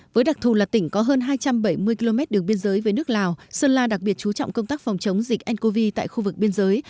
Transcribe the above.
với đặc thù là tỉnh có hơn hai trăm bảy mươi km đường biên giới với nước lào sơn la đặc biệt chú trọng công tác phòng chống dịch ncov tại khu vực biên giới